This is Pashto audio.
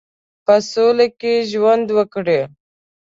په سوله کې ژوند وکړي.